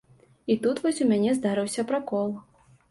І тут вось у мяне здарыўся пракол.